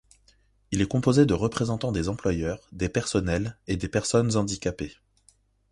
Il est composé de représentants des employeurs, des personnels et des personnes handicapées.